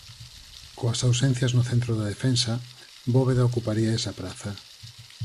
Coas ausencias no centro da defensa, Bóveda ocuparía esa praza.